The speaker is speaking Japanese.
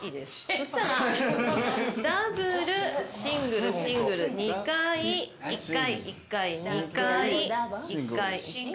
そしたらダブルシングルシングル２回１回１回２回１回１回。